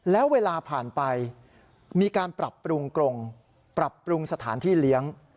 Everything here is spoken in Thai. แล้วเวลาผ่านไปมีการปรับปรุงกรงปรับปรุงสถานที่เลี้ยง